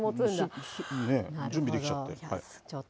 準備できちゃって。